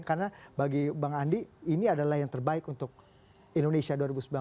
karena bagi bang andi ini adalah yang terbaik untuk indonesia dua ribu sembilan belas